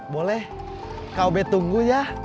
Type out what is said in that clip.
boleh kub tunggu ya